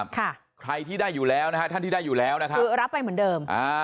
ใครที่ได้อยู่แล้วท่านที่ได้อยู่แล้วคือรับไปเหมือนเดิม